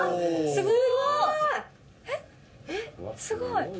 すごい！